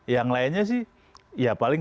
yang lainnya sih ya paling